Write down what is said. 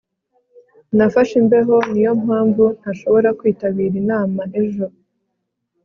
nafashe imbeho. niyo mpamvu ntashobora kwitabira inama ejo